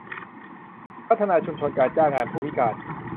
พัฒนาชุมชนการจ้างงานผู้พิการ